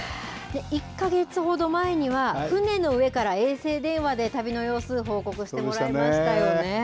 １か月ほど前には、船の上から衛星電話で旅の様子、報告してもらいましたよね。